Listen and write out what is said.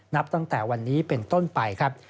นับตั้งแต่วันนี้เป็นต้นไปครับ